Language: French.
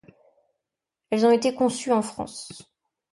Elles ont été conçues en France.